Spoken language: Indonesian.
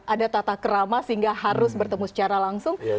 ada tata kerama sehingga harus bertemu secara langsung